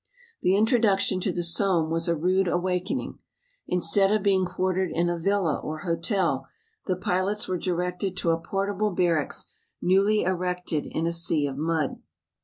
The introduction to the Somme was a rude awakening. Instead of being quartered in a villa or hotel, the pilots were directed to a portable barracks newly erected in a sea of mud.